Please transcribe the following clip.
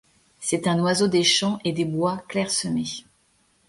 C'est un oiseau des champs et des bois clairsemés.